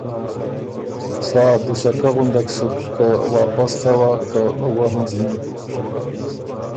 سا دُسکۀ غُندک سُک که واپس څوا که وۀ هنزنی۔